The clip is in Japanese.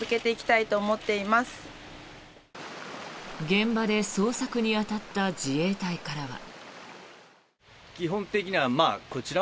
現場で捜索に当たった自衛隊からは。